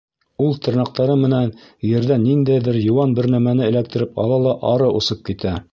Ул тырнаҡтары менән ерҙән ниндәйҙер йыуан бер нәмәне эләктереп ала ла ары осоп китә.